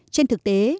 trên thực tế